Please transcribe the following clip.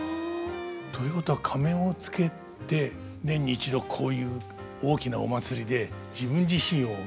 ということは仮面をつけて年に一度こういう大きなお祭りで自分自身を変えるということが。